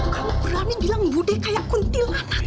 kamu berani mengatakan budaya seperti kuntilanak